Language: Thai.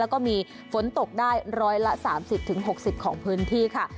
แล้วก็มีฝนตกได้๑๓๐๖๐ของพื้นที่ค่ะ